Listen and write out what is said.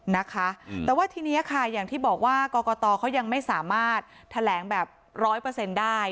นะคะแต่ว่าทีนี้ค่ะอย่างที่บอกว่ากรกฏอเขายังไม่สามารถแถลงแบบ๑๐๐ได้